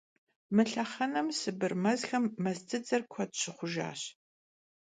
Мы лъэхъэнэм Сыбыр мэзхэм мэз дзыдзэр куэд щыхъужащ.